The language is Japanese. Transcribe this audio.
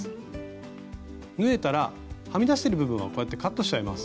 縫えたらはみ出してる部分はこうやってカットしちゃいます。